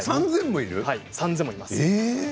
３０００もいます。